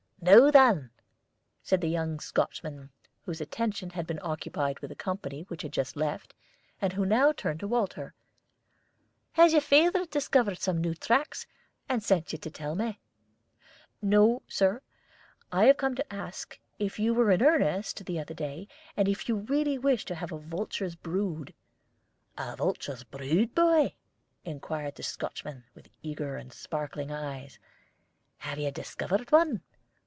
"Now, then," said the young Scotchman, whose attention had been occupied with the company which had just left, and who now turned to Walter. "Has your father discovered some new tracks, and sent you to tell me?" "No, Sir. I have come to ask you if you were in earnest the other day, and if you really wish to have a vulture's brood." "A vulture's brood, boy?" inquired the Scotchman, with eager and sparkling eyes. "Have you discovered one?"